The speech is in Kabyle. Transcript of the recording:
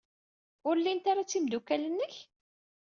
Ur llint ara d timeddukal-nnek?